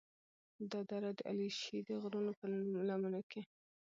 دا دره د علیشي د غرونو په لمنو کې